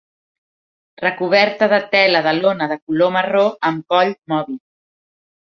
Recoberta de tela de lona de color marró, amb coll mòbil.